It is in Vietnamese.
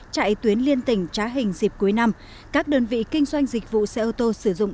chạy tuyến liên tỉnh trá hình dịp cuối năm các đơn vị kinh doanh dịch vụ xe ô tô sử dụng